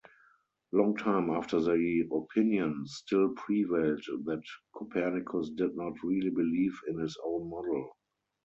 Long time after the opinion still prevailed that Copernicus did not really believe in his own model.